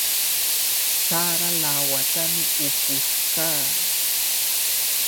Sara lawatami upush kaa.